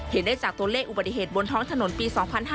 เห็นได้จากตัวเลขอุบัติเหตุบนท้องถนนปี๒๕๕๙